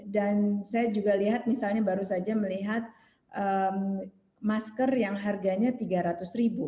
dan saya juga lihat misalnya baru saja melihat masker yang harganya rp tiga ratus